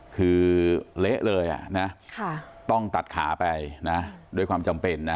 คือเละเลยนะต้องตัดขาไปนะด้วยความจำเป็นนะ